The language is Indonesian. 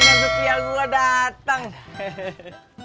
wih pelanggan setia gue datang